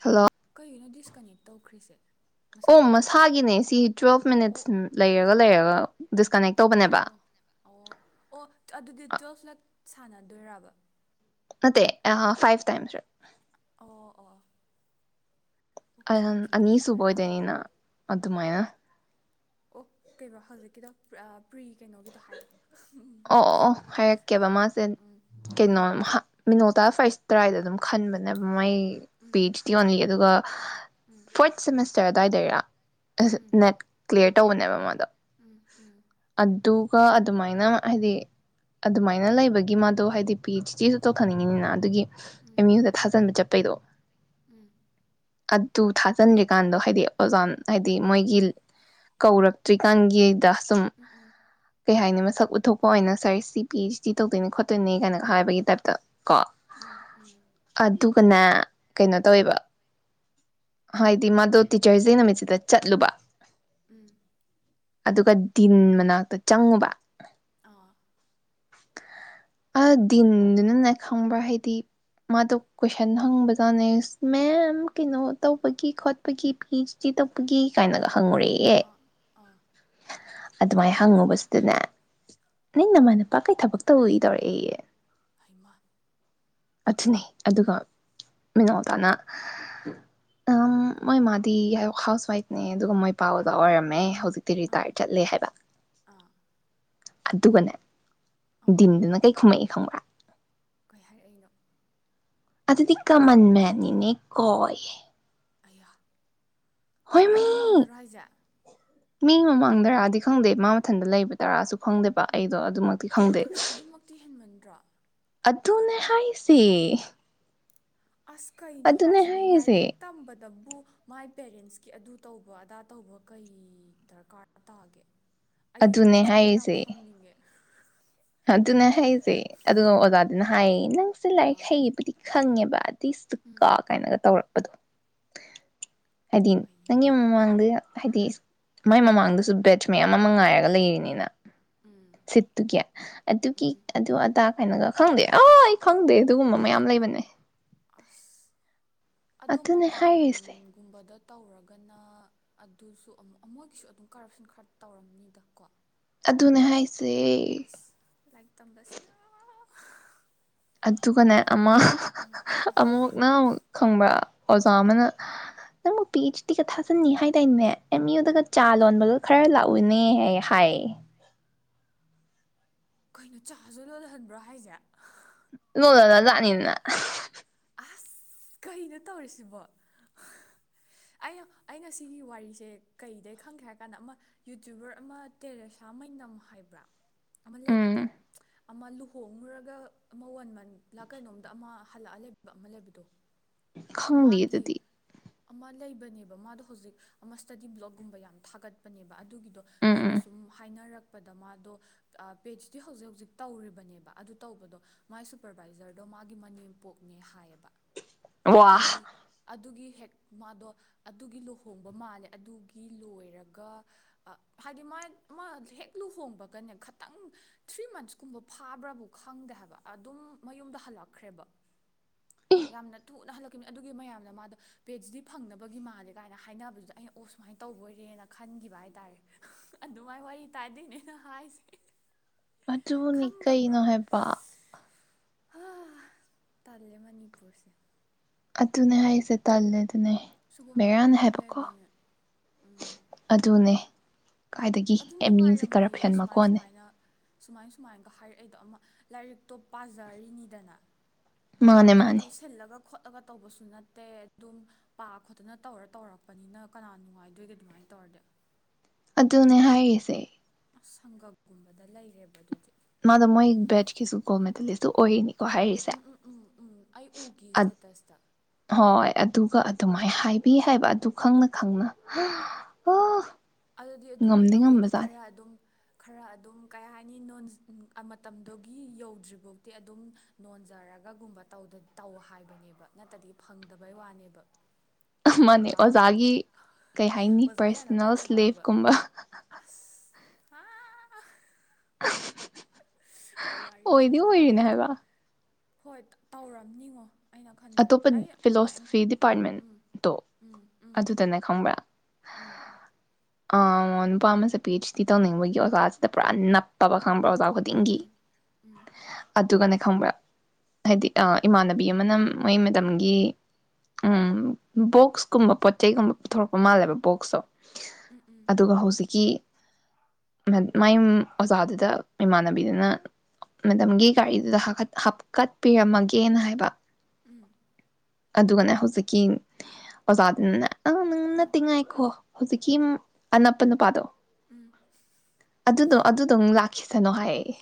Hello ꯀꯩꯒꯤꯅꯣ disconnect ꯇꯧꯈ꯭ꯔꯤꯁꯦ? ꯑꯣ ꯃꯁꯥꯒꯤꯔꯣ ꯃꯁꯥꯒꯤꯅꯦ ꯁꯤ ꯇꯨꯋꯦꯜꯐ ꯃꯤꯅꯤꯠꯁ ꯑꯣ ꯂꯩꯔꯒ ꯂꯩꯔꯒ [unintelligible] ꯗꯤꯁꯀꯟꯅꯦꯛ ꯇꯧꯕꯅꯦꯕ [inaudible] ꯑꯣ ꯑꯣ ꯑꯣ ꯑꯗꯨꯗꯤ ꯑꯥ ꯇꯨꯋꯦꯜꯐꯂꯛ ꯁꯥꯟꯅꯗꯣꯏꯔꯕ? ꯅꯠꯇꯦ ꯑ ꯐꯥꯏꯕ ꯇꯥꯏꯝꯁꯔꯛ ꯑꯣ ꯑꯣ ꯑꯣ ꯑꯣꯀꯦ ꯑꯣꯀꯦ ꯒ꯭ꯌꯥꯟ ꯑꯅꯤ ꯇꯥꯔꯦ ꯁꯨꯕ ꯑꯥ ꯑꯣꯏꯗꯣꯏꯅꯤꯅ ꯑꯥ ꯑꯗꯨꯃꯥꯏꯅ ꯑꯣ ꯀꯩꯕ ꯍꯧꯖꯤꯛꯀꯤꯗꯣ? ꯄ꯭ꯔ ꯄ꯭ꯔꯤ ꯀꯩꯅꯣꯒꯤꯗꯣ ꯍꯥꯏꯔꯛꯑꯣ ꯑꯣ ꯑꯣ ꯑꯣ ꯍꯥꯏꯔꯛꯀꯦꯕ ꯑꯥ ꯃꯥꯁꯦ ꯎꯝ ꯀꯩꯅꯣ ꯎꯝ ꯍꯥ ꯃꯤꯅꯣꯠ ꯇꯥ ꯐꯥꯔꯁꯇ ꯇ꯭ꯔꯥꯏꯗ ꯑꯗꯨꯝ ꯈꯟꯕꯥꯅꯦꯕ ꯃꯩ ꯎꯝ ꯄꯤꯁ ꯇꯤ ꯑꯣꯡꯂꯤ ꯑꯗꯨꯒ ꯎꯝ ꯐꯣꯔꯊ ꯁꯦꯃꯤꯁꯔ ꯆꯔꯦꯗꯥꯏꯗꯩꯔꯥ ꯅꯦꯠ ꯀ꯭ꯂꯤꯌꯥꯌꯦꯠ ꯇꯧꯕꯅꯦꯕ ꯃꯥꯗꯣ ꯎꯝ ꯎꯝ ꯀ ꯑꯗꯨꯃꯥꯏꯅ ꯍꯥꯏꯗꯤ ꯑꯗꯨꯃꯥꯏꯅ ꯂꯩꯕꯒꯤ ꯃꯥꯗꯣ ꯍꯥꯏꯗꯤ ꯄꯤ ꯑꯩꯆꯗꯤꯁꯨ ꯇꯧꯊꯅꯤꯡꯉꯤꯗꯅ ꯑꯗꯨꯒꯤ ꯎꯝ ꯑ‌ꯦꯝꯌꯨꯗ ꯊꯥꯖꯟꯕ ꯆꯠꯄ ꯀꯩꯗꯣ ꯎꯝ ꯑꯗꯨ ꯊꯥꯖꯤꯟꯗ꯭ꯔꯤꯀꯥꯟꯗꯣ ꯍꯥꯏꯗꯤ ꯑꯣꯖꯥꯥꯟ ꯍꯥꯏꯗꯤ ꯃꯣꯏꯒꯤ ꯀꯧꯔꯛꯇ꯭ꯔꯤꯀꯥꯟꯒꯤꯗ ꯁꯨꯝ ꯎꯝ ꯀꯩ ꯍꯥꯏꯅꯤ ꯃꯁꯛ ꯎꯊꯣꯛ ꯄ ꯑꯣꯏꯅ ꯁꯥꯔ ꯁꯤ ꯄꯤ ꯑꯩꯆꯗꯤ ꯇꯧꯗꯣꯏꯅꯤ ꯈꯣꯠꯇꯣꯏꯅꯤ ꯀꯥꯏꯅꯒ ꯍꯥꯏꯕꯒꯤ ꯇꯥꯏꯞꯇ ꯀꯣ ꯎꯝ ꯎꯝ ꯎꯝ ꯑꯗꯨꯒꯅꯦ ꯀꯩꯅꯣ ꯇꯧꯋꯦꯕ ꯍꯥꯏꯗꯤ ꯃꯥꯗꯣ ꯇꯤꯆꯔꯁ ꯗꯦ ꯅꯨꯃꯤꯠꯁꯤꯗ ꯆꯠꯂꯨꯕ ꯎꯝ ꯑꯗꯨꯒ ꯗꯤꯟ ꯃꯅꯥꯛꯇ ꯆꯪꯉꯨꯕ ꯑꯥ ꯑ ꯗꯤꯟꯗꯨꯅꯅꯦ ꯈꯪꯕ꯭ꯔꯥ ꯍꯥꯏꯗꯤ ꯃꯥꯗꯣ ꯀꯣꯏꯁꯟ ꯍꯪꯕꯖꯥꯠꯅꯦ ꯃꯦꯝ ꯀꯩꯅꯣ ꯇꯧꯕꯒꯤ ꯈꯣꯠꯄꯒꯤ ꯄꯤ ꯑꯩꯆ ꯗꯤ ꯇꯧꯕꯒꯤ ꯀꯥꯏꯅꯒ ꯍꯪꯉꯨꯔꯦꯌꯦ ꯑꯥ ꯑꯥ ꯑꯗꯨꯃꯥꯏꯅ ꯍꯪꯉꯨꯕꯁꯤꯗꯅꯦ ꯅꯪ ꯅꯃ ꯅꯄꯥ ꯀꯩ ꯊꯕꯛ ꯇꯧꯏ ꯇꯧꯔꯛꯏꯌꯦ ꯍꯩꯃꯥ ꯑꯗꯨꯅꯤ ꯑꯗꯨꯒ ꯃꯤꯅꯥꯎꯗꯥꯅ ꯑ ꯃꯣꯏ ꯃꯥꯗꯤ ꯍꯥꯎꯁꯋꯥꯏꯐꯅꯦ ꯑꯗꯨꯒ ꯃꯣꯏ ꯄꯥ ꯑꯣꯖꯥ ꯑꯣꯏꯔꯝꯃꯦ ꯍꯧꯖꯤꯛꯇꯤ ꯑꯥ ꯔꯤꯇꯥꯌꯔ ꯆꯠꯂꯦ ꯍꯥꯏꯕ ꯑꯥ ꯑꯗꯨꯒꯅꯦ ꯑꯥ ꯗꯤꯟꯗꯨꯅ ꯀꯩ ꯈꯨꯝꯃꯛꯏ ꯈꯪꯕ꯭ꯔꯥ ꯀꯩ ꯍꯥꯏꯔꯛꯏꯅꯣ ꯑꯗꯨꯗꯤ ꯀꯃꯟ ꯃ‌ꯦꯟꯅꯤꯅꯦ ꯀ‌ꯣꯌ‌ꯦ ꯑꯌꯥ ꯃꯤ ꯃꯌꯥꯝ ꯃꯃꯥꯡꯗꯔꯣ ꯍꯥꯏꯖꯦ ꯃꯤ ꯃꯃꯥꯡꯗꯔꯥꯗꯤ ꯈꯪꯗꯦ ꯃꯥ ꯃꯊꯟꯗ ꯂꯩꯕ ꯗꯔꯥꯁꯨ ꯈꯪꯗꯦꯕ ꯑꯩꯗꯣ ꯑꯗꯨꯃꯛ ꯑꯗꯨꯁꯨ ꯑꯗꯨꯃꯛꯇꯤ ꯍꯦꯟꯃꯟꯗ꯭ꯔꯣ ꯑꯗꯨꯅꯦ ꯍꯥꯏꯁꯦ ꯑꯁ ꯀꯩꯅꯣ ꯍꯥꯏꯁꯤꯕꯨ ꯂꯥꯏꯔꯤꯛ ꯇꯝꯕꯗ ꯕꯨ ꯃꯥꯏ ꯄꯦꯔꯦꯟꯁꯀꯤ ꯑꯗꯨ ꯇꯧꯕ ꯑꯗꯥ ꯇꯧꯕ ꯀꯩ ꯗꯔꯀꯥꯔ ꯇꯥꯒꯦ ꯑꯩꯗꯤ ꯑꯗꯨꯅꯦ ꯃꯁꯛꯇ‌ꯣ ꯌꯥꯝ ꯍꯥꯏꯔꯤꯁꯦ ꯈꯪꯅꯤꯡꯉꯦ ꯍꯥꯏ ꯅꯪꯁꯨꯦ ꯂꯥꯏꯔꯤꯛ ꯑꯥ ꯍꯩꯌꯦꯕꯨꯗꯤ ꯈꯪꯉꯦꯕ ꯎꯝ ꯇꯣꯁꯨꯀꯣ ꯀꯥꯏꯅꯒ ꯇꯧꯔꯛ ꯑꯗ ꯍꯥꯏꯗꯤ ꯑꯩꯌꯥ ꯑꯩꯗꯤ ꯃꯥꯋꯥ ꯂꯧꯗꯦ ꯍꯥꯏꯗꯤ ꯃꯥꯏ ꯃꯃꯥꯡꯗꯁꯨ ꯕꯦꯠꯁ ꯃꯌꯥꯝ ꯑꯃ ꯉꯥꯏꯔꯒ ꯂꯩꯔꯤꯅꯤꯅ ꯎꯝ ꯁꯤꯠꯇꯨ ꯑꯗꯨ ꯀꯤ ꯎꯝ ꯑꯗꯨ ꯑꯗ ꯀꯥꯏꯅꯒ ꯈꯪꯗꯦ ꯑ ꯑꯩ ꯈꯪꯗꯦ ꯑꯗꯨꯒꯨꯝꯕ ꯃꯌꯥꯝ ꯂꯩꯕꯅꯦ ꯑꯁ ꯑꯗꯣ ꯑꯗꯨꯅꯦ ꯍꯥꯏꯔꯤꯁꯦ ꯃꯄꯥꯟꯒꯨꯝꯕꯗ ꯇꯧꯔꯒꯅ ꯑꯗꯨꯁꯨ ꯑꯃꯨ ꯃꯣꯏꯒꯤꯁꯨ ꯑꯗꯨꯝ ꯀꯔꯞꯁꯟ ꯈꯔ ꯇꯧꯔꯝꯅꯤꯗ ꯀꯣ ꯑꯗꯨꯅꯦ ꯍꯥꯏꯁꯦ ꯂꯥꯏꯔꯤꯛ ꯇꯝꯕꯁꯤ ꯑꯗꯨꯒꯅꯦ ꯑꯃꯨꯛꯅ ꯑꯃꯨꯛ ꯈꯪꯕ ꯑꯣꯖꯥ ꯎꯝ ꯑꯃꯅ ꯄꯤ ꯑꯩꯆ ꯗꯤꯒ ꯊꯥꯖꯟꯅꯤ ꯍꯥꯏ ꯇꯏꯅꯦ ꯑꯦꯝ ꯌꯨꯗꯒ ꯆꯥ ꯂꯣꯟꯕꯒ ꯈꯔ ꯂꯥꯛꯎꯏꯅꯦ ꯍꯥꯏ ꯍꯥꯏ ꯀꯩꯅꯣ ꯆꯥꯁꯨ ꯂꯣꯜꯍꯟꯕ꯭ꯔꯣ ꯍꯥꯏꯁꯦ ꯅꯣꯂꯅꯥ ꯂꯛꯅꯤ ꯅ ꯑꯁ ꯀꯩꯅꯣ ꯇꯧꯔꯤꯁꯤꯕꯣ ꯑꯩꯅ ꯑꯩꯅ ꯁꯤꯒꯤ ꯋꯥꯔꯤꯁꯦ ꯀꯩꯗꯩ ꯈꯪꯒꯦ ꯍꯥꯏ ꯀꯥꯟꯗ ꯑꯃ ꯌꯨꯇ꯭ꯌꯨꯕꯔ ꯑꯃ ꯇꯦꯔꯦꯁꯥ ꯃꯩꯅꯝ ꯍꯥꯏꯕ꯭ꯔꯥ ꯑꯃ ꯂꯩꯕꯗꯣ ꯎꯝ ꯑꯃ ꯂꯨꯍꯣꯡꯉꯨꯔꯒ ꯑꯃ ꯋꯥꯟ ꯃꯟ ꯂ ꯀꯩꯅꯣꯝꯗ ꯑꯃ ꯍꯜꯂꯛꯑ ꯂꯩꯕ ꯑꯃ ꯂꯩꯕꯗꯣ ꯈꯪꯗꯤꯌꯦ ꯃꯥꯒꯤ ꯑꯗꯨꯗꯤ ꯑꯃ ꯂꯩꯕꯅꯦꯕ ꯃꯥꯗꯣ ꯍꯧꯖꯤꯛ ꯑꯃ ꯁ꯭ꯇꯗꯤ ꯕ꯭ꯂꯣꯛꯒꯨꯝꯕ ꯌꯥꯝꯅ ꯊꯥꯒꯠꯄꯅꯦꯕ ꯑꯗꯨꯒꯤꯗꯣ ꯎꯝ ꯃꯤꯅ ꯎꯝ ꯁꯨꯝ ꯍꯥꯏꯅꯔꯛ ꯆꯠꯄꯗ ꯃꯥꯗꯣ ꯄꯦꯆꯇꯗꯤ ꯍꯧꯖꯤꯛ ꯍꯧꯖꯤꯛ ꯇꯧꯔꯤꯕꯅꯦꯕ ꯑꯗꯨ ꯇꯧꯕꯗꯣ ꯃꯥꯏ ꯁꯨꯄꯔꯕꯥꯏꯖꯔꯗꯣ ꯃꯥꯒꯤ ꯃꯅꯦꯝꯄꯣꯛꯅꯦ ꯍꯥꯏꯌꯦꯕ ꯋꯥ ꯑꯗꯨꯒꯤ ꯑꯗꯨꯒꯤ ꯍꯦꯛ ꯃꯥꯗꯣ ꯑꯗꯨꯒꯤ ꯂꯨꯍꯣꯡꯕ ꯃꯥꯜꯂꯦ ꯑꯗꯨꯒꯤ ꯂꯣꯏꯔꯒ ꯍꯥꯏꯗꯤ ꯃꯥ ꯃꯥ ꯍꯦꯛ ꯂꯨꯍꯣꯡꯕꯒꯅꯦ ꯈꯤꯇꯪ ꯊ꯭ꯔꯤ ꯃꯟꯁꯀꯨꯝꯕ ꯐꯥꯕ꯭ꯔꯕꯨ ꯈꯪꯗꯦ ꯍꯥꯏꯕ ꯑꯗꯨꯝ ꯃꯌꯨꯝꯗ ꯍꯜꯂꯛꯈ꯭ꯔꯦꯕ ꯑꯦ ꯌꯥꯝꯅ ꯊꯨꯅ ꯍꯜꯂꯛꯈꯤꯕꯅꯤ ꯑꯗꯨꯒꯤ ꯃꯌꯥꯝꯅ ꯃꯥꯗꯣ ꯄꯦꯠꯁꯤꯗꯤ ꯐꯪꯅꯕꯒꯤ ꯃꯥꯜꯂꯦ ꯀꯥꯏꯅ ꯍꯥꯏꯅꯕꯗꯨꯗ ꯑꯩꯅ ꯑꯣ ꯁꯨꯃꯥꯏꯅ ꯇꯧꯕꯣꯏꯔꯦꯅ ꯈꯟꯈꯤꯕ ꯍꯥꯏ ꯇꯥꯔꯦ ꯑꯗꯨꯃꯥꯏꯅ ꯋꯥꯔꯤ ꯇꯥꯏꯗꯗꯤꯅꯦ ꯑꯩꯅ ꯍꯥꯏꯁꯦ ꯑꯗꯨꯅꯤ ꯀꯩꯅꯣ ꯍꯥꯏꯕ ꯍ ꯇꯜꯦ ꯃꯅꯤꯄꯨꯔꯁꯦ ꯑꯠꯇꯅꯦ ꯍꯥꯏꯁꯦ ꯇꯜꯂꯦꯗꯤ ꯑꯗꯨꯅꯦ ꯁꯤꯒꯨꯝꯕ ꯕꯦꯔꯥꯅ ꯃꯌꯥꯝ ꯍꯥꯏꯕꯀꯣ ꯂꯩꯕꯅꯦ ꯎꯝ ꯑꯗꯨꯅꯦ ꯀꯥꯏꯗꯒꯤ ꯑꯗꯨꯝ ꯑꯦꯝ ꯌꯨꯁꯦ ꯅꯨꯡꯉꯥꯏꯔꯝꯃꯣꯏꯌꯦ ꯀꯔꯞꯁꯟ ꯁꯨꯃꯥꯏ ꯃꯀꯣꯟꯅꯦ ꯁꯨꯃꯥꯏꯅ ꯁꯨꯃꯥꯏ ꯁꯨꯃꯥꯏꯅꯒ ꯍꯥꯏꯔꯛꯏꯗꯣ ꯑꯃ ꯂꯥꯏꯔꯤꯛꯇꯣ ꯄꯥꯖꯔꯤꯅꯤꯗꯅ ꯃꯥꯅꯦ ꯃꯥꯅꯦ ꯍꯥꯏꯗꯤ ꯁꯤꯜꯂꯒ ꯈꯣꯠꯂꯒ ꯇꯧꯕꯁꯨ ꯅꯠꯇꯦ ꯑꯗꯨꯝ ꯄꯥ ꯈꯣꯠꯇꯅ ꯇꯧꯔ ꯇꯧꯔꯛꯄꯅꯤꯅ ꯀꯅꯥ ꯅꯨꯡꯉꯥꯏꯗꯣꯏꯒꯦ ꯑꯗꯨꯃꯥꯏꯅ ꯇꯧꯔꯗꯤ ꯑꯗꯨꯅꯦ ꯍꯥꯏꯔꯤꯁꯦ ꯑꯁ ꯁꯪꯒꯒꯨꯝꯕꯗ ꯂꯩꯔꯦꯕ ꯑꯗꯨꯗꯤ ꯃꯗꯣ ꯃꯥꯏ ꯕꯦꯠꯆ ꯀꯤꯁꯨ ꯒꯣꯜ ꯃꯦꯗꯥꯂꯤꯁꯇ꯭ꯣ ꯑꯣꯏꯅꯤ ꯀꯣ ꯍꯥꯏꯔꯤꯁꯦ ꯎꯝ ꯎꯝ ꯎꯝ ꯎꯝ ꯑꯩ ꯎꯈꯤ ꯏꯁꯇꯦꯇꯁꯇ ꯍꯣꯏ ꯑꯗꯨꯒ ꯑꯗꯨꯃꯥꯏꯅ ꯍꯥꯏꯕꯤ ꯍꯥꯏꯕ ꯑꯗꯨ ꯈꯪꯅ ꯈꯪꯅ ꯑ ꯑꯥ ꯑꯗꯨꯗꯤ ꯑꯗꯨꯃꯥꯏꯅ ꯇꯧꯒꯦꯗꯤ ꯈꯔ ꯑꯗꯨꯝ ꯈꯔ ꯑꯗꯨꯝ ꯀꯩ ꯍꯥꯏꯅꯤꯅꯣꯟꯖ ꯃꯇꯝꯗꯨꯒꯤ ꯌꯧꯗ꯭ꯔꯤꯐꯥꯎꯇꯤ ꯑꯗꯨꯝ ꯅꯣꯟꯖꯔꯒꯒꯨꯝꯕ ꯇꯧ ꯍꯥꯏꯕꯅꯦꯕ ꯅꯠꯇꯗꯤ ꯐꯪꯗꯕꯩ ꯋꯥꯅꯦꯕ ꯁꯛꯀ ꯃꯥꯅꯦ ꯀꯥꯛꯎꯔꯗꯤ ꯑꯣꯖꯥꯒꯤ ꯀꯩ ꯍꯥꯏꯅꯤ ꯑꯣꯖꯥ ꯌꯥꯅꯕ ꯄꯔꯁꯅꯦꯜ ꯗꯦꯕ ꯀꯨꯝꯕ ꯑꯑꯥꯑꯥꯑꯥꯍꯥ ꯑ ꯋꯥꯔꯤꯁꯦ ꯑꯣꯏꯗꯤ ꯑꯣꯏꯔꯤꯅꯦ ꯅꯣꯛꯅꯤꯡꯉꯦ ꯍꯥꯏꯕ ꯍꯣꯏ ꯇꯧꯔꯝꯅꯤꯉꯣ ꯑꯩꯅ ꯈꯟꯕꯗ ꯑꯇꯣꯞꯄ ꯑꯩ ꯑꯗꯨꯃꯥꯏꯅ ꯐꯤꯂꯣꯁꯣꯐꯤ ꯎꯝ ꯗꯤꯄꯥꯔꯠꯃꯦꯟꯇꯣ ꯎꯝ ꯎꯝ ꯑꯗꯨꯗꯅꯦ ꯈꯪꯕ꯭ꯔꯥ ꯎꯝ ꯑ ꯅꯨꯄꯥ ꯑꯃꯁꯦ ꯄꯤ ꯑꯩꯆ ꯗꯤ ꯇꯧꯅꯤꯡꯕꯒꯤ ꯑꯣꯖꯥꯁꯤꯗ ꯄꯨꯔꯥ ꯅꯞꯄꯕ ꯈꯪꯕ꯭ꯔꯥ ꯑꯣꯖꯥ ꯈꯨꯗꯤꯡꯒꯤ ꯎꯝ ꯎꯝ ꯑꯗꯨꯒꯅꯦ ꯈꯪꯕ꯭ꯔꯥ ꯍꯥꯏꯗꯤ ꯏꯃꯥꯟꯅꯕꯤ ꯑꯃꯅ ꯃꯣꯏ ꯃꯇꯝꯒꯤ ꯎꯝ ꯕꯣꯛꯁꯀꯨꯝꯕ ꯄꯣꯠꯆ ꯆꯩꯒꯨꯝꯕ ꯄꯨꯊꯣꯔꯛꯄ ꯃꯥꯜꯂꯦꯕ ꯕꯣꯛꯁꯇꯣ ꯎꯝ ꯑꯗꯨꯒ ꯍꯧꯖꯤꯛꯀꯤ ꯃꯥꯏ ꯑꯣꯖꯥꯗꯨꯗ ꯏꯃꯥꯟꯅꯕꯤꯗꯨꯅ ꯃꯦꯗꯝꯒꯤ ꯒꯥꯔꯤꯗꯨꯗ ꯍꯥꯞꯀꯠꯄꯤꯔꯝꯃꯒꯦꯅ ꯍꯥꯏꯕ ꯎꯝ ꯑꯗꯨꯒꯅꯦ ꯍꯧꯖꯤꯛꯀꯤ ꯑꯣꯖꯥꯗꯨꯅꯅꯦ ꯑꯡ ꯎꯝ ꯅꯠꯇꯦ ꯉꯥꯏꯈꯣ ꯍꯧꯖꯤꯛꯀꯤ ꯑꯅꯞꯄ ꯅꯨꯄꯥꯗꯣ ꯎꯝ ꯑꯗꯨꯗꯣ ꯑꯗꯨꯗꯣ ꯃꯨꯛ ꯂꯥꯛꯈꯤꯁꯅꯨ ꯍꯥꯏꯌꯦꯌꯦ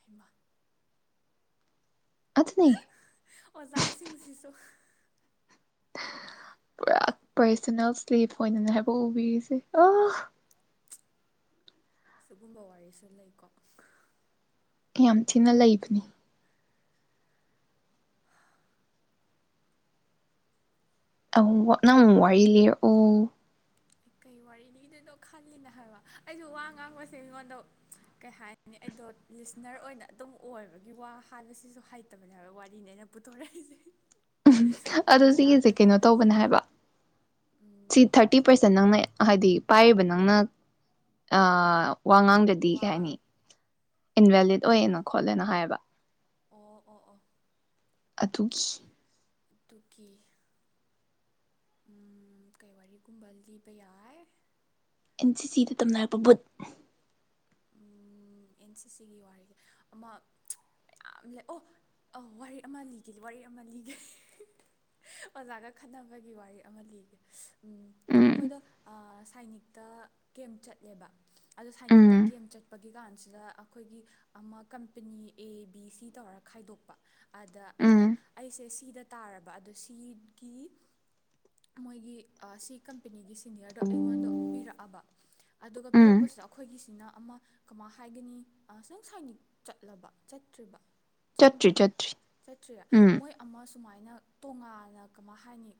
ꯍꯩꯃꯥ ꯑꯗꯨꯅꯦ ꯑꯣꯖꯥꯁꯤꯡꯁꯤꯁꯨ ꯄꯨꯔꯥ ꯄꯔꯁꯅꯦꯜ ꯁ꯭ꯂꯤꯞ ꯑꯣꯏꯅꯅꯦ ꯍꯥꯏꯕ ꯎꯕꯤꯔꯤꯁꯦ ꯑ ꯁꯤꯒꯨꯝꯕ ꯋꯥꯔꯤꯁꯨ ꯂꯩꯀꯣ ꯌꯥꯝ ꯊꯤꯅ ꯂꯩꯕꯅꯤ ꯑꯧ ꯅꯪ ꯑꯃꯨꯛ ꯋꯥꯔꯤ ꯂꯤꯔꯛ ꯑꯣ ꯀꯩ ꯋꯥꯔꯤ ꯂꯩꯗꯣꯏꯅꯣ ꯈꯜꯂꯤꯅ ꯍꯥꯏꯕ ꯑꯩꯁꯨ ꯋꯥ ꯉꯥꯡꯕꯁꯦ ꯑꯩꯉꯣꯟꯗ ꯀꯩ ꯍꯥꯏꯅꯤ ꯑꯩꯗꯣ ꯂꯤꯁꯅꯔ ꯑꯣꯏꯅ ꯑꯗꯨꯝ ꯑꯣꯏꯕꯒꯤ ꯋꯥ ꯍꯥꯏꯕꯁꯤꯁꯨ ꯍꯩꯇꯕꯅꯦ ꯍꯥꯏꯕ ꯋꯥꯔꯤꯅꯦ ꯑꯩꯅ ꯄꯨꯊꯣꯔꯛꯏꯁꯦ ꯀꯩ ꯑꯗꯨ ꯁꯤꯒꯤꯁꯦ ꯃꯇꯥꯡꯗ ꯀꯩꯅꯣ ꯇꯧꯕꯅꯦ ꯁꯥꯟꯅꯁꯤꯒꯦ ꯍꯥꯏꯕ ꯁꯤ ꯊꯥꯔꯇꯤ ꯄꯥꯔꯁꯦꯟ ꯅꯪꯅ ꯍꯥꯏꯗꯤ ꯄꯥꯏꯔꯤꯕ ꯅꯪꯅ ꯑꯥ ꯋꯥꯉꯥꯡꯗꯗꯤ ꯋꯥ ꯀꯩ ꯉꯥꯡ ꯍꯥꯏꯅꯤ ꯏꯟꯚꯦꯂꯤꯠ ꯑꯣ ꯑꯣꯏꯌꯦꯅ ꯑꯣ ꯈꯣꯠꯂꯦꯅ ꯍꯥꯏꯌꯦꯕ ꯑꯣ ꯑꯣ ꯑꯣ ꯑꯗꯨꯒꯤ ꯇꯨꯀꯤ ꯎꯝ ꯀꯩ ꯋꯥꯔꯤꯒꯨꯝꯕ ꯂꯤꯕ ꯌꯥꯏ ꯑꯦꯟ ꯁꯤ ꯁꯤꯗ ꯇꯝꯅꯔꯛꯄ ꯕꯨꯨꯠ ꯎꯝ ꯑꯦꯟ ꯁꯤ ꯁꯤꯒꯤ ꯋꯥꯔꯤꯁꯦ ꯑꯃ ꯃꯌꯥꯝ ꯂꯩ ꯑꯣ ꯋꯥꯔꯤ ꯑꯃ ꯂꯤꯒꯦ ꯋꯥꯔꯤ ꯑꯃ ꯂꯤꯒꯦ ꯑꯣꯖꯥꯒ ꯈꯟꯅꯅꯕꯒꯤ ꯋꯥꯔꯤ ꯑꯃ ꯂꯤꯒꯦ ꯎꯝ ꯎꯝ ꯑꯩꯈꯣꯏꯗꯣ ꯁꯥꯏꯅꯤꯛꯇ ꯀꯦꯝ ꯆꯠꯂꯦꯕ ꯑꯗꯣ ꯁꯥꯏ ꯎꯝ ꯑꯗꯨꯗ ꯑꯩꯈꯣꯏꯒꯤ ꯑꯃ ꯀꯝꯄꯅꯤ ꯑꯦ ꯕꯤ ꯁꯤ ꯇꯧꯔ ꯈꯥꯏꯗꯣꯛꯄ ꯑꯗ ꯑ ꯎꯝ ꯑꯩꯁꯦ ꯁꯤꯗ ꯇꯥꯔꯕ ꯑꯗꯣ ꯁꯤꯒꯤ ꯃꯣꯏꯒꯤ ꯁꯤ ꯀꯝꯄꯦꯅꯤꯒꯤꯁꯦ [inaudible] ꯑꯩꯉꯣꯟꯗ ꯄꯤꯔꯛꯑꯕ ꯑꯗꯨꯒ ꯎꯝ ꯄꯤꯔꯛꯄꯁꯤꯗ ꯑꯩꯈꯣꯏꯒꯤ ꯁꯤꯅ ꯑꯃ ꯀꯃꯥꯏ ꯍꯥꯏꯒꯅꯤ ꯅꯡ ꯁꯥꯏꯅꯤꯛ ꯆꯠꯂꯕ ꯆꯠꯇ꯭ꯔꯤꯕ ꯆꯠꯇ꯭ꯔꯤ ꯆꯪꯗ꯭ꯔꯤꯕ ꯆꯠꯇ꯭ꯔꯤ ꯆꯠꯇ꯭ꯔꯤꯔ ꯎꯝ ꯃꯣꯏ ꯑꯃꯁ ꯁꯨꯃꯥꯏꯅ ꯇꯣꯉꯥꯟꯅ ꯀꯃꯥꯏ ꯍꯥꯏꯅꯤ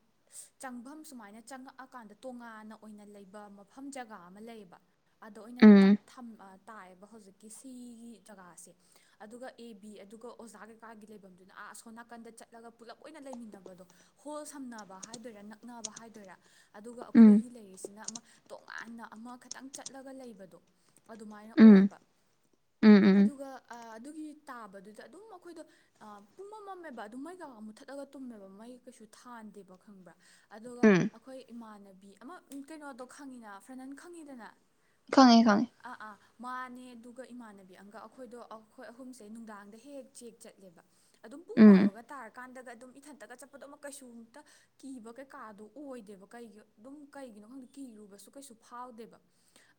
ꯆꯪꯐꯝ ꯁꯨꯃꯥꯏꯅ ꯆꯪꯉꯛꯑꯀꯥꯟꯗ ꯇꯣꯉꯥꯟꯅ ꯑꯣꯏꯅ ꯂꯩꯕ ꯃꯐꯝ ꯖꯒꯥ ꯑꯃ ꯂꯩꯌꯦꯕ ꯑꯗ ꯑꯣꯏꯅ ꯎꯝ ꯇꯥꯏꯌꯦꯕ ꯍꯧꯖꯤꯛꯀꯤ ꯁꯤꯒꯤ ꯖꯒꯥꯁꯦ ꯑꯗꯨꯒ ꯑꯦ ꯕꯤ ꯑꯗꯨꯒ ꯑꯣꯖꯥ ꯀꯩꯀꯥꯒꯤ ꯂꯩꯐꯝꯗꯨꯅ ꯑꯥ ꯑꯁꯣꯝ ꯅꯥꯀꯟꯗ ꯆꯠꯂꯒ ꯄꯨꯜꯂꯞ ꯑꯣꯏꯅ ꯂꯩꯃꯤꯟꯅꯕꯗꯣ ꯍꯣꯜ ꯁꯝꯅꯕ ꯍꯥꯏꯗꯣꯏꯔꯥ ꯅꯛꯅꯕ ꯍꯥꯏꯗꯣꯏꯔꯥ ꯑꯗꯨꯒ ꯎꯝ ꯑꯩꯈꯣꯏꯒꯤ ꯂꯩꯔꯤꯁꯤꯅ ꯇꯣꯉꯥꯟꯅ ꯑꯃ ꯈꯇꯪ ꯆꯠꯂꯒ ꯂꯩꯕꯗꯣ ꯑꯗꯨꯃꯥꯏꯅ ꯎꯝ ꯎꯝ ꯑꯣꯏꯕ ꯎꯝ ꯑꯗꯨꯒ ꯑꯗꯨꯒꯤ ꯇꯥꯕꯗꯨꯗ ꯑꯗꯨꯝ ꯑꯩꯈꯣꯏꯗꯣ ꯄꯨꯝꯃꯝ ꯃꯝꯃꯦꯕ ꯑꯗꯨꯝ ꯃꯩꯒ ꯃꯨꯠꯊꯠꯂꯒ ꯇꯨꯝꯃꯦꯕ ꯃꯩ ꯀꯩꯁꯨ ꯊꯥꯟꯗꯦꯕ ꯈꯪꯕ꯭ꯔꯥ ꯑꯗꯨꯒ ꯎꯝ ꯑꯩꯈꯣꯏ ꯏꯃꯥꯟꯅꯕꯤ ꯑꯃ ꯀꯩꯅꯣꯗꯣ ꯈꯪꯉꯤꯅ ꯐ꯭ꯔꯦꯟꯅ ꯈꯪꯉꯤꯗꯅ ꯈꯪꯉꯦ ꯈꯪꯉꯦ ꯑꯥ ꯑꯥ ꯃꯥꯅꯦ ꯑꯗꯨꯒ ꯏꯃꯥꯟꯅꯕꯤ ꯑꯪꯀ ꯑꯩꯈꯣꯏꯗꯣ ꯑꯩꯈꯣꯏ ꯑꯍꯨꯝꯁꯦ ꯅꯨꯡꯗꯥꯡꯗ ꯍꯦꯛ ꯍꯦꯛ ꯆꯦꯛ ꯆꯠꯂꯦꯕ ꯑꯗꯨꯝ ꯄꯨꯡ ꯎꯝ ꯕꯥꯔꯣꯒ ꯇꯥꯔ ꯀꯥꯟꯗꯒ ꯑꯗꯨꯝ ꯏꯊꯟꯇꯒ ꯆꯠꯄꯗꯣ ꯑꯃꯨꯛ ꯀꯩꯁꯨ ꯑꯝꯇ ꯀꯤꯕ ꯀꯩꯀꯥꯗꯣ ꯑꯣꯏꯗꯦꯕ ꯀꯩꯒꯤ ꯑꯗꯨꯝ ꯀꯩꯒꯤꯅꯣ ꯈꯪꯗ ꯀꯤꯔꯨꯕꯁꯨ ꯀꯩꯁꯨ ꯐꯥꯎꯗꯦꯕ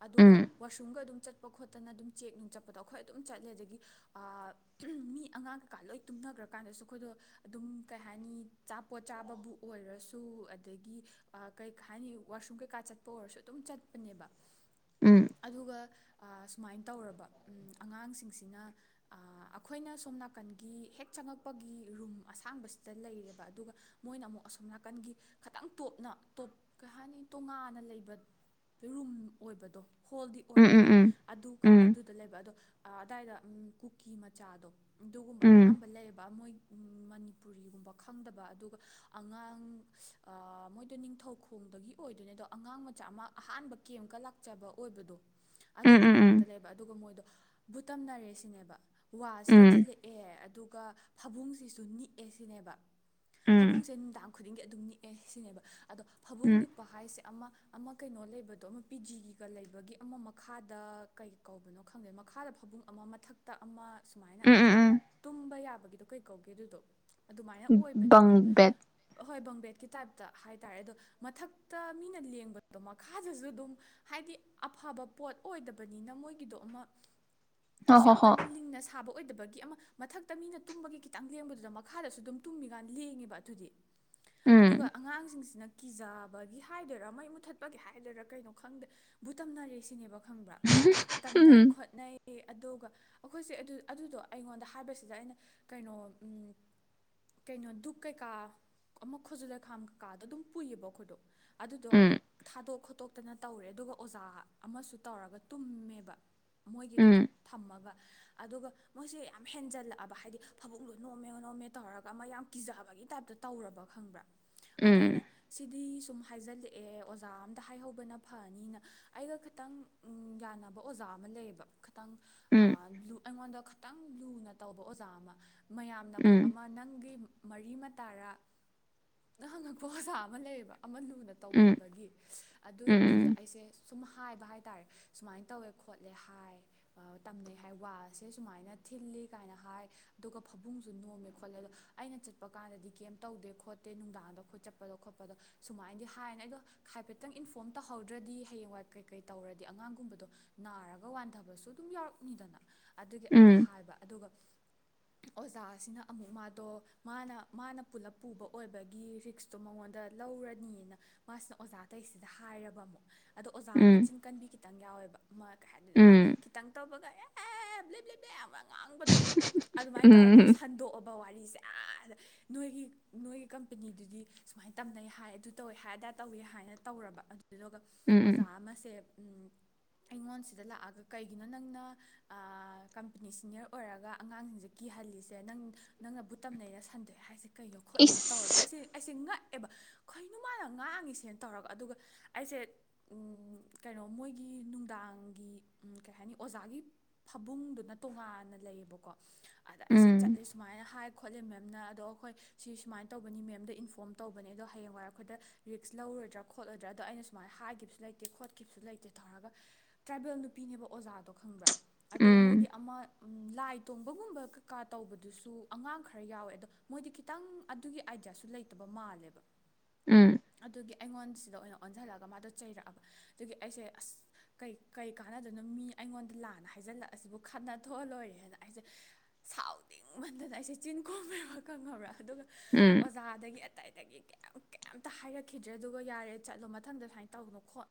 ꯑꯗꯨꯒ ꯎꯝ ꯋꯥꯁꯔꯨꯝꯒ ꯑꯗꯨꯝ ꯆꯠꯄ ꯈꯣꯠꯇꯅ ꯑꯗꯨꯝ ꯆꯦꯛ ꯅꯨꯡ ꯆꯠꯄꯗꯣ ꯑꯩꯈꯣꯏ ꯑꯗꯨꯝ ꯆꯠꯂꯦ ꯑꯗꯒꯤ ꯃꯤ ꯑꯉꯥꯡ ꯀꯩꯀꯥ ꯂꯣꯏ ꯇꯨꯝꯅꯈ꯭ꯔꯀꯥꯟꯗꯁꯨ ꯑꯩꯈꯣꯏꯗꯣ ꯑꯗꯨꯝ ꯀꯩ ꯍꯥꯏꯅꯤ ꯆꯥꯄꯣꯠ ꯆꯥꯕꯕꯨ ꯑꯣꯏꯔꯁꯨ ꯑꯗꯒꯤ ꯀꯩꯩ ꯍꯥꯏꯅꯤ ꯋꯥꯁꯔꯨꯝ ꯀꯩꯀꯥ ꯆꯠꯄ ꯑꯣꯏꯔꯁꯨ ꯑꯗꯨꯝ ꯆꯠꯄꯅꯦꯕ ꯎꯝ ꯑꯗꯨꯒ ꯁꯨꯃꯥꯏꯅ ꯇꯧꯔꯕ ꯑꯉꯥꯡꯁꯤꯡꯁꯤꯅ ꯑꯩꯈꯣꯏꯅ ꯑꯥ ꯑꯁꯣꯝ ꯅꯥꯀꯟꯒꯤ ꯍꯦꯛ ꯆꯪꯉꯛꯄꯒꯤ ꯔꯨꯝ ꯑꯁꯥꯡꯕꯁꯤꯗ ꯂꯩꯔꯦꯕ ꯑꯗꯨꯒ ꯃꯣꯏꯅ ꯑꯃꯨꯛ ꯑꯁꯣꯝ ꯅꯥꯀꯟꯒꯤ ꯈꯤꯇꯪ ꯇꯣꯞꯅ ꯇꯣꯞ ꯀꯩ ꯍꯥꯏꯅꯤ ꯇꯣꯉꯥꯟꯅ ꯂꯩꯕ ꯔꯨꯝ ꯑꯣꯏꯕꯗꯣ ꯍꯣꯜꯗꯤ ꯎꯝ ꯑꯣꯏꯔꯒ ꯎꯝ ꯎꯝ ꯑꯗꯨ ꯎꯝ ꯑꯗꯨꯗ ꯂꯩꯕ ꯑꯗꯣ ꯑꯗꯥꯏꯗ ꯀꯨꯀꯤ ꯃꯆꯥꯗꯣ ꯑꯗꯨꯒꯨꯝꯕ ꯎꯝ ꯑꯌꯥꯝꯕ ꯂꯩꯌꯦꯕ ꯃꯣꯏꯒꯤ ꯃꯅꯤꯄꯨꯔꯤꯒꯨꯝꯕ ꯈꯪꯗꯕ ꯑꯗꯨꯒ ꯑꯉꯥꯡ ꯃꯣꯏꯗꯣ ꯅꯤꯡꯊꯧꯈꯣꯡꯗꯒꯤ ꯑꯣꯏꯗꯣꯏꯅꯦ ꯑꯗꯣ ꯑꯉꯥꯡ ꯃꯆꯥ ꯑꯃ ꯑꯍꯥꯟꯕ ꯀꯦꯝꯀ ꯂꯥꯛꯆꯕ ꯑꯣꯏꯕꯗꯣ ꯎꯝ ꯎꯝ ꯎꯝ ꯑꯗꯨꯒꯨꯝꯕ ꯎꯝ ꯉꯥꯛꯇꯅꯦꯕ ꯑꯗꯨꯒ ꯃꯣꯏꯗꯣ ꯕꯨꯠ ꯇꯝꯅꯔꯦ ꯁꯤꯅꯦꯕ ꯋꯥꯁꯤꯗ ꯊꯤꯜꯂꯛꯑꯦ ꯑꯗꯨꯒ ꯐꯕꯨꯡꯁꯤꯁꯨ ꯅꯤꯛꯑꯦ ꯁꯤꯅꯦꯕ ꯐꯕꯨꯡꯁꯦ ꯅꯨꯡꯗꯥꯡ ꯈꯨꯗꯤꯡꯒꯤ ꯑꯗꯨꯝ ꯅꯤꯛꯑꯦ ꯁꯤꯅꯦꯕ ꯑꯗꯣ ꯎꯝ ꯐꯕꯨꯡ ꯎꯝ ꯅꯤꯛꯄ ꯍꯥꯏꯁꯦ ꯑꯃ ꯑꯃ ꯀꯩꯅꯣ ꯂꯩꯕꯗꯣ ꯑꯃ ꯄꯤ ꯖꯤꯒꯤ ꯑꯗꯨꯒ ꯂꯩꯕꯒꯤ ꯑꯃ ꯃꯈꯥꯗ ꯀꯩ ꯀꯧꯕꯅꯣ ꯈꯪꯗꯦ ꯃꯈꯥꯗ ꯐꯕꯨꯡ ꯑꯃ ꯃꯊꯛꯇ ꯑꯃ ꯁꯨꯃꯥꯏꯅ ꯑꯗꯨꯒ ꯎꯝ ꯎꯝ ꯇꯨꯝꯕ ꯌꯥꯕꯒꯤꯗꯣ ꯀꯩ ꯀꯧꯒꯦ ꯑꯗꯨꯗꯣ ꯑꯗꯨꯃꯥꯏꯅ ꯑꯣꯏꯕꯅꯦꯕ ꯕꯪ ꯕꯦꯠ ꯍꯣꯏ ꯕꯝꯕꯦꯗꯀꯤ ꯇꯥꯏꯞꯇ ꯍꯥꯏꯇꯥꯔꯦ ꯑꯗꯣ ꯃꯊꯛꯇ ꯃꯤꯅ ꯂꯦꯡꯕꯗꯣ ꯃꯈꯥꯗꯁꯨ ꯗꯨꯝ ꯍꯥꯏꯗꯤ ꯑꯐꯕ ꯄꯣꯠ ꯑꯣꯏꯗꯕꯅꯤꯅ ꯃꯣꯏꯒꯤꯗꯣ ꯑꯃ ꯍꯣ ꯀꯩꯁꯨ ꯍꯣ ꯌꯥꯝ ꯍꯣ ꯀꯟꯅ ꯂꯤꯡꯅ ꯁꯥꯕ ꯑꯣꯏꯗꯕꯒꯤ ꯑꯃ ꯃꯊꯛꯇ ꯃꯤꯅ ꯇꯨꯝꯕꯒꯤ ꯈꯤꯇꯪ ꯂꯦꯡꯕꯗꯨꯗ ꯃꯈꯥꯗꯁꯨ ꯑꯗꯨꯝ ꯇꯨꯝꯃꯤꯀꯥꯟ ꯂꯦꯡꯉꯦꯕ ꯑꯗꯨꯗꯤ ꯑꯗꯨꯒ ꯎꯝ ꯑꯉꯥꯡꯁꯤꯡꯁꯤꯅ ꯀꯤꯖꯕꯒꯤ ꯍꯥꯏꯗꯣꯏꯔꯥ ꯃꯩ ꯃꯨꯊꯠꯄꯒꯤ ꯍꯥꯏꯗꯣꯏꯔꯥ ꯀꯩꯅꯣ ꯈꯪꯗꯦ ꯕꯨꯠ ꯇꯝꯅꯔꯦ ꯁꯤꯅꯦꯕ꯫ ꯈꯪꯕ꯭ꯔꯥ ꯇꯝꯅꯩ ꯎꯝ ꯈꯣꯠꯅꯩ ꯑꯦ ꯑꯗꯨꯒ ꯑꯩꯈꯣꯏꯁꯦ ꯑꯗꯨꯗꯣ ꯑꯩꯉꯣꯟꯗ ꯍꯥꯏꯕꯁꯤꯗ ꯑꯩꯅ ꯀꯩꯅꯣ ꯀꯩꯅꯣ ꯗꯨꯛ ꯀꯩꯀꯥ ꯑꯃ ꯈꯨꯖꯨꯂꯩꯈꯥꯝ ꯀꯩꯀꯥꯗꯣ ꯑꯗꯨꯝ ꯄꯨꯏꯌꯦꯕ ꯑꯩꯈꯣꯏꯗꯣ ꯑꯗꯨꯗꯣ ꯎꯝ ꯎꯝ ꯊꯥꯗꯣꯛ ꯇꯣꯛꯇꯅ ꯇꯧꯔꯦ ꯑꯗꯨꯒ ꯑꯣꯖꯥ ꯑꯃꯁꯨ ꯇꯧꯔꯒ ꯇꯨꯝꯃꯦꯕ ꯃꯣꯏꯒꯤꯗꯨꯗ ꯎꯝ ꯊꯝꯃꯒ ꯑꯗꯨꯒ ꯃꯣꯏꯁꯦ ꯌꯥꯝ ꯍꯦꯟꯖꯜꯂꯛꯑꯕ ꯍꯥꯏꯗꯤ ꯐꯃꯨꯡꯗꯣ ꯅꯣꯝꯃꯦ ꯅꯣꯝꯃꯦ ꯇꯧꯔꯒ ꯑꯃ ꯌꯥꯝ ꯀꯤꯖꯕꯒꯤ ꯇꯥꯏꯞꯇ ꯇꯧꯔꯕ ꯈꯪꯕ꯭ꯔꯥ ꯑꯗ ꯑꯩꯅ ꯎꯝ ꯁꯤ ꯁꯨꯝ ꯍꯥꯏꯖꯜꯂꯛꯑꯦ ꯑꯣꯖꯥ ꯑꯝꯗ ꯍꯥꯏꯍꯧꯕꯅ ꯐꯅꯤ ꯅꯤꯅ ꯑꯩꯒ ꯈꯤꯇꯪ ꯌꯥꯟꯅꯕ ꯑꯣꯖꯥ ꯑꯃ ꯂꯩꯌꯦꯕ ꯈꯤꯇꯪ ꯎꯝ ꯑꯩꯉꯣꯟꯗ ꯈꯤꯇꯪ ꯂꯨꯅ ꯇꯧꯕ ꯑꯣꯖꯥ ꯑꯃ ꯎꯝ ꯃꯌꯥꯝꯅꯕꯨꯛ ꯎꯝ ꯑꯃ ꯅꯪꯒꯤ ꯃꯔꯤ ꯃꯇꯥꯔꯥ ꯅ ꯍꯪꯉꯛꯄ ꯑꯣꯖꯥ ꯑꯃ ꯂꯩꯌꯦꯕ ꯑꯃ ꯂꯨꯅ ꯎꯝ ꯇꯧꯃꯟꯕꯒꯤ ꯑꯗꯨ ꯑꯗꯨꯗ ꯎꯝ ꯁꯨꯝ ꯍꯥꯏꯕ ꯍꯥꯏꯇꯥꯔ‌ꯦ ꯁꯨꯃꯥꯏ ꯇꯧꯋ‌ꯦ ꯈ‌ꯣꯠꯂ‌ꯦ ꯍꯥꯏ ꯇꯝꯅꯩ ꯍꯥꯏ ꯋꯥꯜꯁ‌ꯦ ꯁꯨꯃꯥꯏꯅ ꯊꯤꯜꯂꯤ ꯀꯥꯏꯅ ꯍꯥꯏ ꯑꯗꯨꯒ ꯐꯃꯨꯡꯁꯨ ꯅ‌ꯣꯝꯃ‌ꯦ ꯈ‌ꯣꯠꯂ‌ꯦ ꯑꯩꯅ ꯆꯠꯄꯀꯥꯟꯗꯗꯤ ꯀꯩꯝ ꯇꯧꯗ‌ꯦ ꯈ‌ꯣꯠꯇ‌ꯦ ꯅꯨꯡꯗꯥꯡꯗ ꯈ‌ꯣꯏ ꯆꯠꯄꯗ‌ꯣ ꯈ‌ꯣꯠꯄꯗ‌ꯣ ꯁꯨꯃꯥꯏꯅꯗꯤ ꯍꯥꯏꯌ‌ꯦꯅ ꯑꯩꯗ‌ꯣ ꯍꯥꯏꯐ‌ꯦꯠꯇꯪ ꯏꯟꯐ‌ꯣꯔꯝ ꯇꯥꯍꯧ ꯗ꯭ꯔꯗꯤ ꯍꯌꯦꯡꯋꯥꯏ ꯀꯩꯀꯩ ꯇꯧꯔꯗꯤ ꯑꯉꯥꯡꯒꯨꯝꯕꯗꯣ ꯅꯥꯔꯒ ꯋꯥꯟꯊꯕꯁꯨ ꯑꯗꯨꯝ ꯌꯥꯎꯔꯛꯅꯤꯗꯅ ꯑꯗꯨꯒꯤ ꯑꯩꯗꯣ ꯍꯥꯏꯕ ꯑꯗꯨꯒ ꯑꯣꯖꯥꯁꯤꯅ ꯑꯃꯨꯛ ꯃꯥꯗꯣ ꯃꯥꯅ ꯃꯥꯅ ꯄꯨꯂꯞ ꯄꯨꯕ ꯑꯣꯏꯕꯒꯤ ꯔꯤꯛꯁꯇꯣ ꯃꯉꯣꯟꯗ ꯂꯧꯔꯅꯤꯅ ꯃꯥꯁꯤꯅ ꯑꯣꯖꯥ ꯑꯇꯩꯁꯤꯗ ꯍꯥꯏꯔꯕ ꯑꯃꯨꯛ ꯑꯗꯣ ꯑꯣꯖꯥ ꯎꯝ ꯃꯆꯤꯟ ꯀꯟꯕꯤ ꯈꯤꯇꯪ ꯌꯥꯎꯋꯦꯕ ꯑꯃ ꯀꯩ ꯍꯥꯏꯅꯤꯅ ꯑꯃ ꯎꯝ ꯈꯤꯇꯪ ꯇꯧꯕꯒ ꯑꯦꯞ ꯕꯂ‌ꯦ ꯕꯂ‌ꯦ ꯌꯥꯝ ꯉꯥꯡꯕꯗꯣ ꯑꯗꯨꯃꯥꯏꯅ ꯇꯧꯔꯒ ꯎꯝ ꯁꯟꯗꯣꯛꯑꯕ ꯋꯥꯔꯤꯁꯦ ꯅꯣꯏꯒꯤ ꯅꯣꯏꯒꯤ ꯀꯝꯄꯦꯅꯤꯗꯨꯗꯤ ꯁꯨꯃꯥꯏꯅ ꯇꯝꯅꯩ ꯍꯥꯏ ꯑꯗꯨ ꯇꯧꯋꯦ ꯍꯥꯏ ꯑꯗꯥ ꯇꯧꯋ‌ꯦ ꯍꯥꯏꯅ ꯇꯧꯔꯕ ꯑꯗꯨꯗꯨꯒ ꯑꯣꯖꯥ ꯎꯝ ꯑꯃꯁꯦ ꯑꯩꯉꯣꯟꯁꯤꯗ ꯂꯥꯛꯑꯒ ꯀꯩꯒꯤꯅꯣ ꯅꯪꯅ ꯀꯝꯄꯅꯤ ꯁꯤꯅꯤꯌꯔ ꯑꯣꯏꯔꯒ ꯑꯉꯥꯡꯁꯤꯡꯁꯦ ꯀꯤꯍꯜꯂꯤꯁꯦ ꯅꯪ ꯅꯪꯅꯕꯨꯠ ꯇꯝꯅꯩꯅ ꯁꯟꯗꯣꯛꯑꯦ ꯍꯥꯏꯁꯦ꯫ ꯀꯩꯅꯣ ꯈꯣꯠꯂꯤꯅꯣ ꯇꯧꯔꯕ ꯏꯁ ꯑꯩꯁꯦ ꯑꯩꯁꯦ ꯉꯛ ꯑꯦꯕ ꯀꯩꯅ‌ꯣ ꯃꯥꯅ ꯉꯥꯡꯉꯤꯁꯦꯅ ꯇꯧꯔꯒ ꯑꯗꯨꯒ ꯑꯩꯁꯦ ꯀꯩꯅꯣ ꯃꯣꯏꯒꯤ ꯅꯨꯡꯗꯥꯡꯒꯤ ꯀꯩ ꯍꯥꯏꯅꯤ ꯑꯣꯖꯥꯒꯤ ꯐꯃꯨꯡꯗꯨꯅ ꯇꯣꯉꯥꯟꯅ ꯂꯩꯌꯦꯕꯀꯣ ꯑꯗ ꯑꯩꯁꯦ ꯎꯝ ꯆꯠꯂꯦ ꯁꯨꯃꯥꯏꯅ ꯍꯥꯏ ꯈꯣꯠꯂꯤ ꯃꯦꯝꯅ ꯑꯗꯣ ꯑꯩꯈꯣꯏ ꯁꯤ ꯁꯨꯃꯥꯏꯅ ꯇꯧꯕꯅꯤ ꯃꯦꯝꯗ ꯏꯟꯐꯣꯝ ꯇꯧꯕꯅꯦ ꯑꯗꯣ ꯍꯌꯦꯡꯋꯥꯏꯦ ꯑꯩꯈꯣꯏꯗ ꯔꯤꯛꯁ ꯂꯧꯔꯣꯏꯗ꯭ꯔ ꯈꯣꯠꯂꯣꯏꯗ꯭ꯔꯥꯗꯣ ꯑꯩꯅ ꯁꯨꯃꯥꯏꯅ ꯍꯥꯏ ꯈꯤꯕꯁꯨ ꯂꯩꯇꯦ ꯈꯣꯠꯈꯤꯕꯁꯨ ꯂꯩꯇꯦ ꯇꯧꯔꯒ ꯇ꯭ꯔꯥꯏꯕꯦꯜ ꯅꯨꯄꯤꯅꯦꯕ ꯑꯣꯖꯥꯗꯣ ꯈꯪꯕ꯭ꯔꯥ ꯑꯗꯨꯒ ꯃꯣꯏꯗꯤ ꯎꯝ ꯑꯃ ꯂꯥꯏ ꯇꯣꯡꯕꯒꯨꯝꯕ ꯀꯩꯀꯥ ꯇꯧꯕꯗꯨꯁꯨ ꯑꯉꯥꯡ ꯈꯔ ꯌꯥꯎꯋꯦ ꯑꯗꯣ ꯃꯣꯏꯗꯤ ꯈꯤꯇꯪ ꯑꯗꯨꯒꯤ ꯑꯥꯏꯗꯤꯌꯥꯁꯨ ꯂꯩꯇꯕ ꯃꯥꯜꯂꯦꯕ ꯎꯝ ꯑꯗꯨꯒꯤ ꯑꯩꯉꯣꯟꯁꯤꯗ ꯑꯣꯏꯅ ꯑꯣꯟꯁꯤꯜꯂꯒ ꯃꯥꯗꯣ ꯆꯩꯔꯛꯑꯕ ꯑꯗꯨꯒꯤ ꯑꯩꯁꯦ ꯑꯁ ꯀꯩ ꯀꯩ ꯀꯥꯟꯅꯗꯣꯏꯅꯣ ꯃꯤ ꯑꯩꯉꯣꯟꯗ ꯂꯥꯟꯅ ꯍꯥꯏꯖꯜꯂꯛꯑꯁꯤꯕꯨ ꯈꯠꯅ ꯊꯣꯛ ꯑꯂꯣꯏꯔꯦꯅ ꯑꯩꯁꯦ ꯁꯥꯎꯅꯤꯡꯃꯟꯗꯅ ꯑꯩꯁꯦ ꯆꯤꯟ ꯈꯣꯝꯃꯦꯕ ꯈꯪꯉꯕ꯭ꯔꯥ ꯑꯗꯨꯒ ꯎꯝ ꯑꯣꯖꯥꯗꯒꯤ ꯑꯇꯩꯗꯒꯤ ꯀꯩꯝꯇ ꯍꯥꯏꯔꯛꯈꯤꯗ꯭ꯔꯦ ꯑꯗꯨꯒ ꯌꯥꯔꯦ ꯆꯠꯂꯣ ꯃꯊꯪꯗ ꯁꯨꯃꯥꯏ ꯇꯧꯅꯣ ꯈꯣꯠ